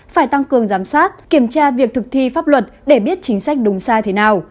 phải tăng cường giám sát kiểm tra việc thực thi pháp luật để biết chính sách đúng sai thế nào